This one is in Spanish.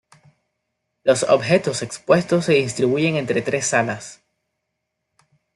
Los objetos expuestos se distribuyen entre tres salas.